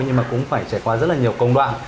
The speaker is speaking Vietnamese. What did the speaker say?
nhưng mà cũng phải trải qua rất là nhiều công đoạn